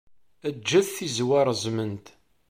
Ǧǧet tizewwa reẓment.